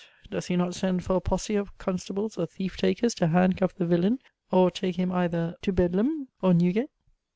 Does he not send for a posse of constables or thief takers to handcuff the villain, or take him either to Bedlam or Newgate?